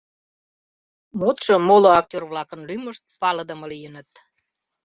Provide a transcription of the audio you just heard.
Модшо моло актёр-влакын лӱмышт палыдыме лийыныт.